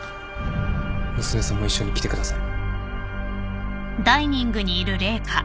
娘さんも一緒に来てください。